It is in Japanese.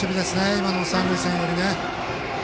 今の三塁線寄り。